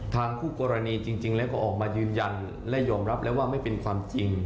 คู่กรณีจริงแล้วก็ออกมายืนยันและยอมรับแล้วว่าไม่เป็นความจริง